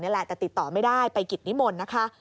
แหละแต่ติดต่อไม่ได้ไปกิจนิมนต์นะคะ